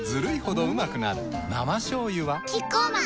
生しょうゆはキッコーマン